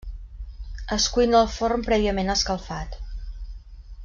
Es cuina al forn prèviament escalfat.